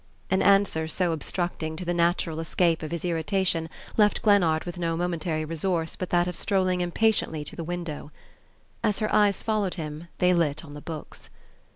An answer so obstructing to the natural escape of his irritation left Glennard with no momentary resource but that of strolling impatiently to the window. As her eyes followed him they lit on the books.